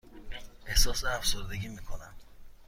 احساس افسردگی می کنم.